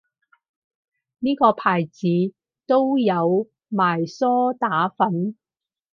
呢個牌子都有賣梳打粉